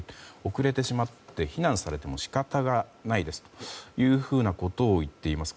遅れてしまって非難されても仕方がないですということを言っています。